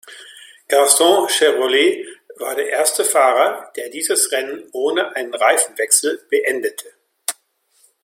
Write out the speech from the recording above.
Gaston Chevrolet war der erste Fahrer, der dieses Rennen ohne einen Reifenwechsel beendete.